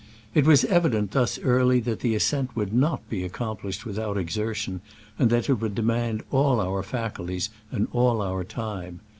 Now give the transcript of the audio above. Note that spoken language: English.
It was evi dent thus early that the ascent would •not be accomplished without exertion, and that it would demand all our facul ties and all our time.